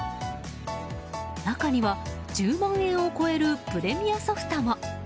中には、１０万円を超えるプレミアソフトも！